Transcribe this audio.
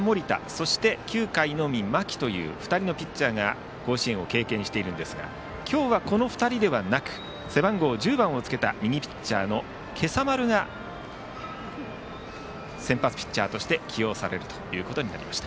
そして９回のみ間木という２人のピッチャーが甲子園を経験しているんですが今日はこの２人ではなく背番号１０番をつけた右ピッチャーの今朝丸が先発ピッチャーとして起用されることになりました。